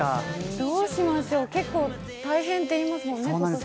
どうしましょう、結構大変っていいますもんね。